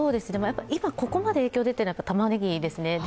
今ここまで影響出ているのはたまねぎですね。